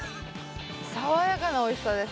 爽やかなおいしさです。